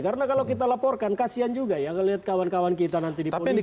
karena kalau kita laporkan kasian juga ya lihat kawan kawan kita nanti di polisi